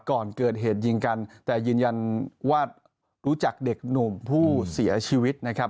ก่อนเกิดเหตุยิงกันแต่ยืนยันว่ารู้จักเด็กหนุ่มผู้เสียชีวิตนะครับ